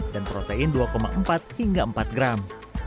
protein dua empat hingga empat gram